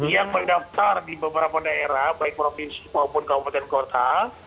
yang mendaftar di beberapa daerah baik provinsi maupun kabupaten kota